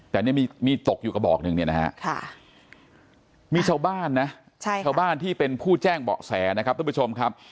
แต่เนี่ยมีตกอยู่กระบอกหนึ่งเนี่ยนะฮะมีชาวบ้านนะชาวบ้านที่เป็นผู้แจ้งเบาะแสนะครับทุกผู้ชมครับ